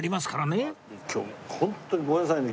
今日ホントにごめんなさいね。